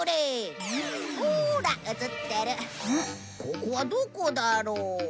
ここはどこだろう？